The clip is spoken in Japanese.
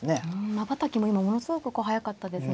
まばたきも今ものすごく速かったですが。